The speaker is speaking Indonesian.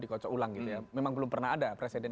dikocok ulang gitu ya memang belum pernah ada presiden